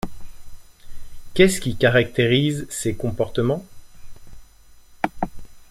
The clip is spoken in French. Qu'est-ce qui caractérise ces comportements?